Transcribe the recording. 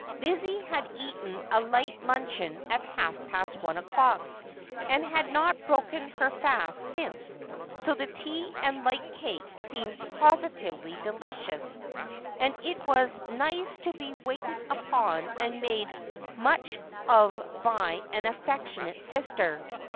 Lizzie had eaten a light luncheon at half past one o'clock, and had not broken her fast since, so the tea and light cake seemed positively delicious, and it was nice to be waited upon and made much of by an affectionate sister.